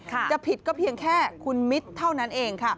จะผิดก็เพียงแค่คุณมิตรเท่านั้นเองค่ะ